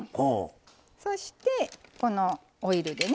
そしてこのオイルでね